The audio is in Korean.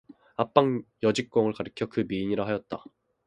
앞방 여직공을 가리켜 그 미인이라 하였다.